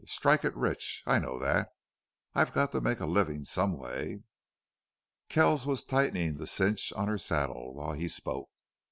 Strike it rich! I know that. I've got to make a living some way." Kells was tightening the cinch on her saddle while he spoke.